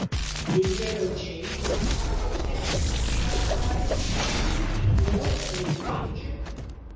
"Is there no change in the circumstances?" she asked sadly. "Isn't he ill and in danger?"